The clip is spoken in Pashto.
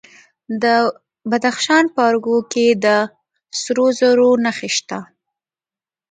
د بدخشان په ارګو کې د سرو زرو نښې شته.